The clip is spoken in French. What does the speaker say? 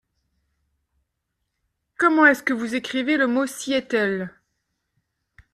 Comment est-ce que vous écrivez le mot Seattle ?